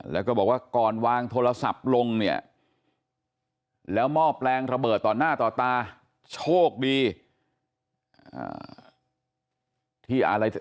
แล้วมอบแรงระเบิดต่อหน้าต่อตาโชคดี